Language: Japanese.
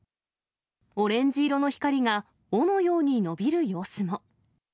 オレンジ色の光が尾のように伸びる様子も。